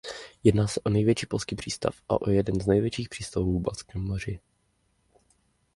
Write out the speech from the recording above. Jedná se největší polský přístav a o jeden z největších přístavů v Baltském moři.